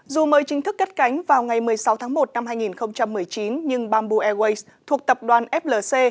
dù mời chính thức cất cánh vào ngày một mươi sáu tháng một năm hai nghìn một mươi chín nhưng bamboo airways thuộc tập đoàn flc